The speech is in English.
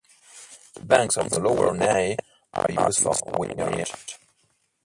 The banks of the lower Nahe are used for vineyards.